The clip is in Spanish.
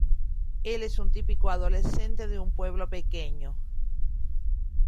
Él es un típico adolescente de pueblo pequeño.